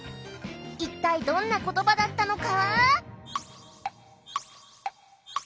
一体どんな言葉だったのか？